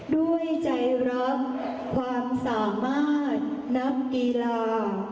โดยใจรับความสามารถนำกีฬา